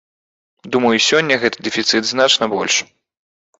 Думаю, сёння гэты дэфіцыт значна больш.